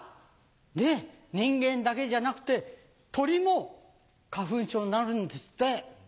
ねぇ人間だけじゃなくて鳥も花粉症になるんですって。